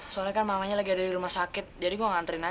soalnya kan mamanya lagi ada di rumah sakit jadi gue ngantriin aja